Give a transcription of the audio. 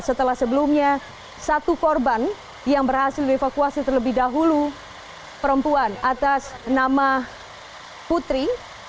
setelah sebelumnya satu korban yang berhasil dievakuasi terlebih dahulu perempuan atas nama putri